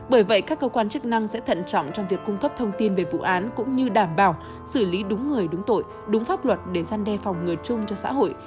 bởi vậy các cơ quan chức năng sẽ thận trọng trong việc cung cấp thông tin về vụ án cũng như đảm bảo xử lý đúng người đúng tội đúng pháp luật để gian đe phòng ngừa chung cho xã hội